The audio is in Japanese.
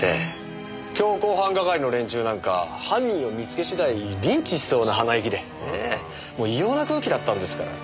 強行犯係の連中なんか犯人を見つけ次第リンチしそうな鼻息で異様な空気だったんですから。